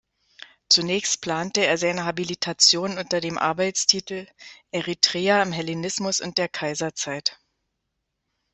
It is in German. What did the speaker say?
Zunächst plante er seine Habilitation unter dem Arbeitstitel "Eretria im Hellenismus und der Kaiserzeit.